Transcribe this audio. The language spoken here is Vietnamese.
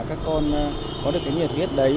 các con có được cái nhiệt huyết đấy